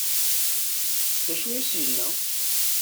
D acu i as-yenna?